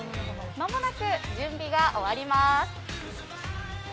まもなく準備が終わります。